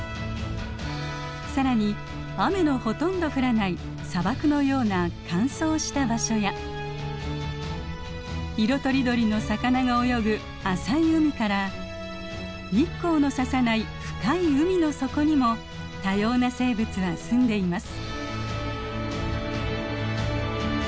更に雨のほとんど降らない砂漠のような乾燥した場所や色とりどりの魚が泳ぐ浅い海から日光のささない深い海の底にも多様な生物はすんでいます。